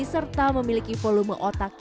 serta memiliki kekuatan otak